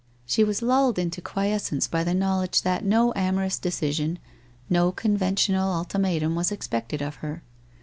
She was lulled into quiescence by the knowledge that no amorous decision, no conventional ultimatum was expected of her.